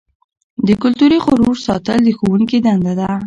د کلتوري غرور ساتل د ښوونکي دنده ده.